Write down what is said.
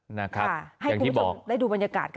ให้คุณผู้ชมได้ดูบรรยากาศกัน